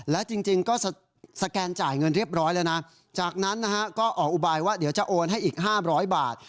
และจริงก็สแกนจ่ายเงินเรียบร้อยแล้วนะจากนั้นนะฮะก็ออกอุบายว่าเดี๋ยวจะโอนให้อีก๕๐๐บาท